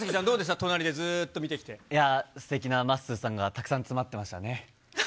隣でいやー、すてきなまっすーさんがたくさん詰まってましたね。